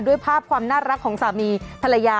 ด้วยภาพความน่ารักของสามีภรรยา